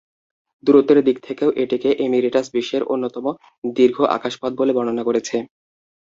দূরত্বের দিক থেকেও এটিকে এমিরেটস বিশ্বের অন্যতম দীর্ঘ আকাশপথ বলে বর্ণনা করেছে।